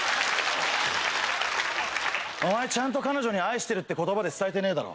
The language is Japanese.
ちゃんと彼女に愛してるって言葉で伝えてねえだろ。